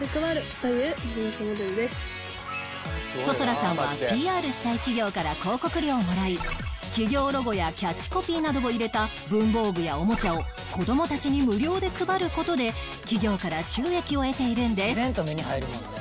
想空さんは ＰＲ したい企業から広告料をもらい企業ロゴやキャッチコピーなどを入れた文房具やおもちゃを子どもたちに無料で配る事で企業から収益を得ているんです